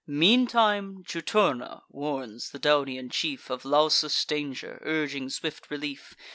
Meantime Juturna warns the Daunian chief Of Lausus' danger, urging swift relief.